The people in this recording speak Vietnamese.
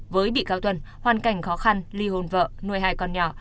với bị cáo tuân hoàn cảnh khó khăn ly hôn vợ nuôi hai con nhỏ